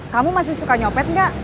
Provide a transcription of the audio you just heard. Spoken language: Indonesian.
kamu masih suka nyopet nggak